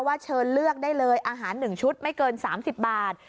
เชิญเลือกได้เลยอาหาร๑ชุดไม่เกิน๓๐บาท